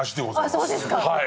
ああそうですか！